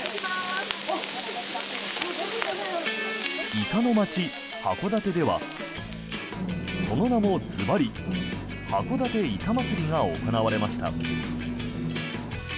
イカの街・函館ではその名もずばり、函館いか祭りが行われました。